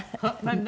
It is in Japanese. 何？